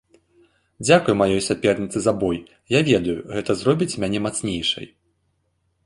Дзякуй маёй саперніцы за бой, я ведаю, гэта зробіць мяне мацнейшай!